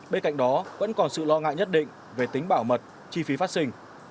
bên cạnh đó vẫn còn sự lo ngại nhất định về tính bảo mật chi phí phát sinh